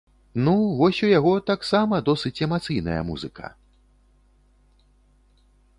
Ну, вось у яго таксама досыць эмацыйная музыка.